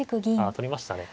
取りました。